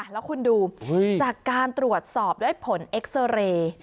แล้วคุณดูจากการตรวจสอบด้วยผลเอ็กซาเรย์